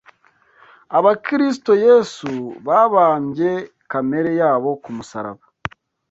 Aba Kristo Yesu babambye kamere yabo ku musaraba,